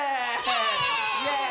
イエーイ！